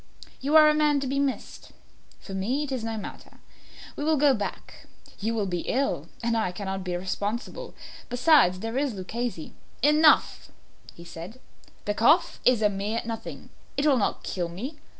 You are a man to be missed. For me it is no matter. We will go back; you will be ill, and I cannot be responsible. Besides, there is Luchesi " "Enough," he said; "the cough is a mere nothing; it will not kill me.